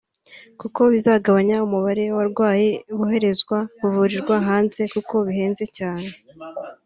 kuko bizagabanya umubare w’abarwayi boherezwaga kuvurirwa hanze kuko bihenze cyane